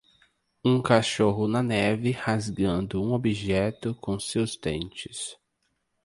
Um cachorro na neve rasgando um objeto com seus dentes